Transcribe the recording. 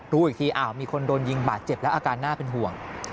รู้อีกทีมีคนโดนยิงบาดเจ็บและอาการน่าเป็นห่วง